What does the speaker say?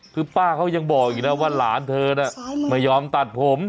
คือป้าเขายังบอกอีกนะว่าหลานเธอน่ะไม่ยอมตัดผม